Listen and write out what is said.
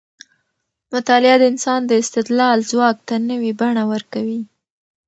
مطالعه د انسان د استدلال ځواک ته نوې بڼه ورکوي.